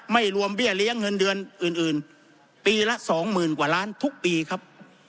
รวมเบี้ยเลี้ยงเงินเดือนอื่นปีละสองหมื่นกว่าล้านทุกปีครับ